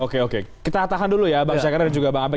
oke oke kita tahan dulu ya bang syagada dan juga bang abed